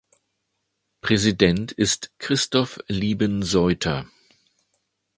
Präsident ist Christoph Lieben-Seutter.